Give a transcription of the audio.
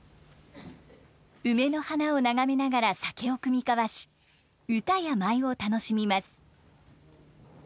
梅の花を眺めながら酒を酌み交わし歌や舞を楽しみます。